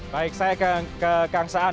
baik saya ke kang saan